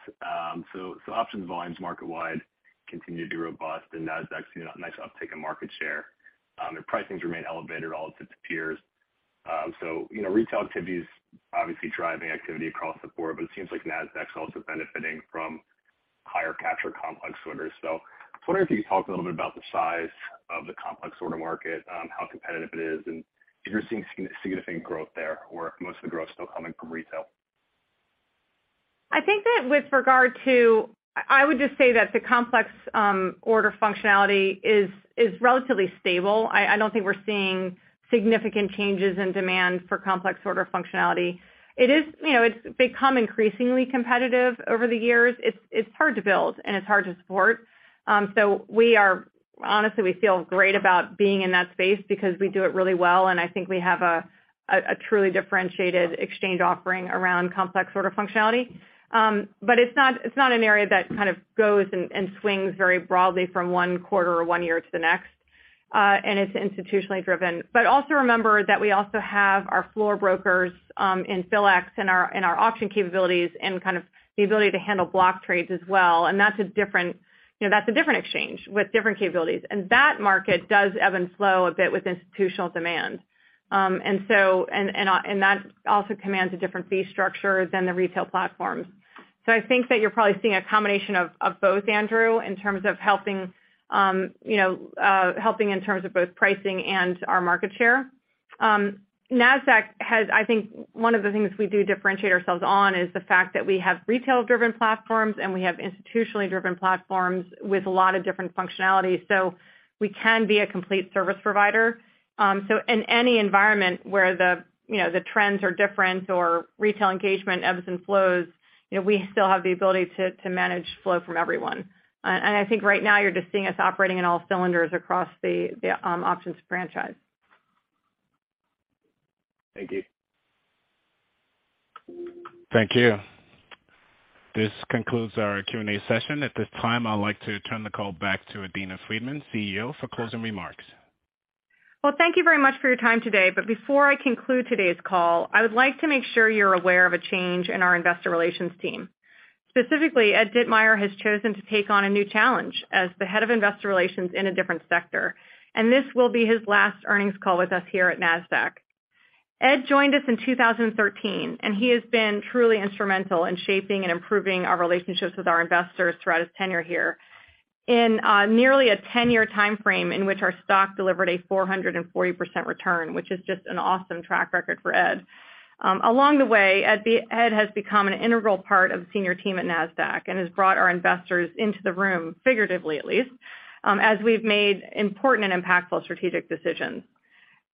Options volumes market-wide continue to be robust, and Nasdaq's seen a nice uptick in market share. Their pricings remain elevated relative to peers. You know, retail activity is obviously driving activity across the board, but it seems like Nasdaq's also benefiting from higher capture complex orders. I was wondering if you could talk a little bit about the size of the complex order market, how competitive it is, and if you're seeing significant growth there, or if most of the growth is still coming from retail. I think that with regard to, I would just say that the complex order functionality is relatively stable. I don't think we're seeing significant changes in demand for complex order functionality. It is it's become increasingly competitive over the years. It's hard to build and it's hard to support. We're honestly, we feel great about being in that space because we do it really well, and I think we have a truly differentiated exchange offering around complex order functionality. But it's not an area that kind of goes and swings very broadly from one quarter or one year to the next, and it's institutionally driven. Also remember that we also have our floor brokers in PHLX and our auction capabilities and kind of the ability to handle block trades as well. That's a different exchange with different capabilities. That market does ebb and flow a bit with institutional demand. That also commands a different fee structure than the retail platforms. I think that you're probably seeing a combination of both, Andrew, in terms of helping helping in terms of both pricing and our market share. I think one of the things we do differentiate ourselves on is the fact that we have retail-driven platforms, and we have institutionally driven platforms with a lot of different functionalities. We can be a complete service provider. In any environment where the trends are different or retail engagement ebbs and flows we still have the ability to manage flow from everyone. I think right now you're just seeing us operating on all cylinders across the options franchise. Thank you. Thank you. This concludes our Q&A session. At this time, I'd like to turn the call back to Adena Friedman, CEO, for closing remarks. Well, thank you very much for your time today, but before I conclude today's call, I would like to make sure you're aware of a change in our investor relations team. Specifically, Ed Ditmire has chosen to take on a new challenge as the head of investor relations in a different sector, and this will be his last earnings call with us here at Nasdaq. Ed joined us in 2013, and he has been truly instrumental in shaping and improving our relationships with our investors throughout his tenure here. In nearly a ten-year timeframe in which our stock delivered a 440% return, which is just an awesome track record for Ed. Along the way, Ed has become an integral part of senior team at Nasdaq and has brought our investors into the room, figuratively, at least, as we've made important and impactful strategic decisions.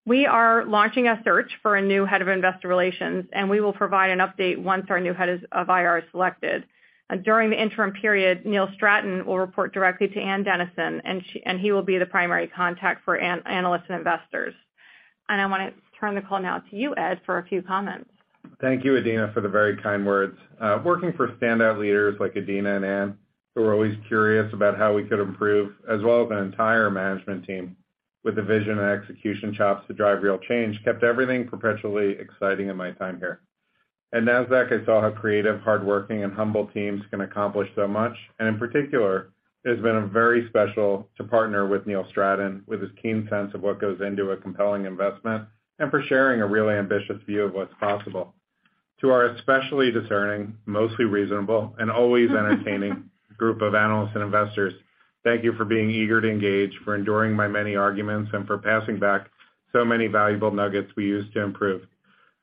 We are launching a search for a new head of investor relations, and we will provide an update once our new head of IR is selected. During the interim period, Nelson Griggs will report directly to Ann Dennison, and he will be the primary contact for analysts and investors. I wanna turn the call now to you, Ed, for a few comments. Thank you, Adena, for the very kind words. Working for standout leaders like Adena and Ann, who are always curious about how we could improve, as well as an entire management team with the vision and execution chops to drive real change, kept everything perpetually exciting in my time here. At Nasdaq, I saw how creative, hardworking, and humble teams can accomplish so much, and in particular, it's been very special to partner with Nelson Griggs with his keen sense of what goes into a compelling investment and for sharing a really ambitious view of what's possible. To our especially discerning, mostly reasonable, and always entertaining group of analysts and investors, thank you for being eager to engage, for enduring my many arguments and for passing back so many valuable nuggets we use to improve.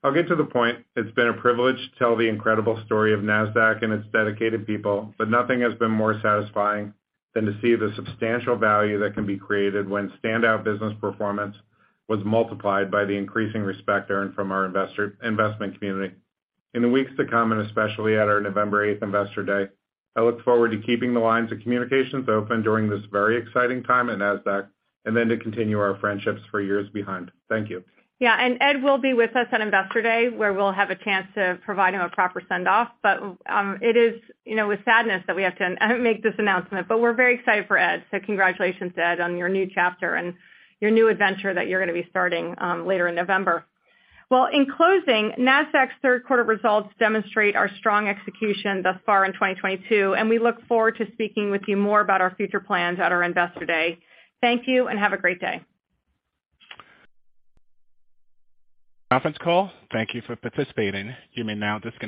I'll get to the point. It's been a privilege to tell the incredible story of Nasdaq and its dedicated people, but nothing has been more satisfying than to see the substantial value that can be created when standout business performance was multiplied by the increasing respect earned from our investment community. In the weeks to come, and especially at our November 8 Investor Day, I look forward to keeping the lines of communication open during this very exciting time at Nasdaq and then to continue our friendships for years beyond. Thank you. Yeah, Ed will be with us at Investor Day, where we'll have a chance to provide him a proper send-off. It is with sadness that we have to make this announcement. We're very excited for Ed, so congratulations, Ed, on your new chapter and your new adventure that you're gonna be starting later in November. Well, in closing, Nasdaq's Q3 results demonstrate our strong execution thus far in 2022, and we look forward to speaking with you more about our future plans at our Investor Day. Thank you, and have a great day. Conference call, thank you for participating. You may now disconnect.